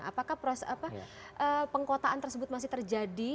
apakah pengkotaan tersebut masih terjadi